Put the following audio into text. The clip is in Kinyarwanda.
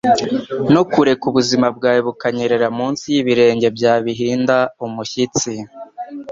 no kureka ubuzima bwawe bukanyerera munsi y'ibirenge byawe bihinda umushyitsi